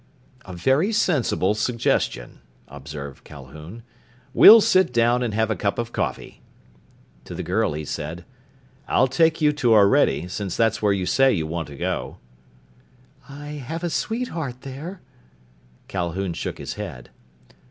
_" "A very sensible suggestion," observed Calhoun. "We'll sit down and have a cup of coffee." To the girl he said, "I'll take you to Orede, since that's where you say you want to go." "I have a sweetheart there...." Calhoun shook his head.